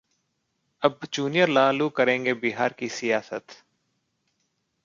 अब जूनियर लालू करेंगे बिहार की सियासत